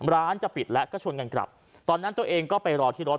ร้านจะปิดแล้วก็ชวนกันกลับตอนนั้นตัวเองก็ไปรอที่รถ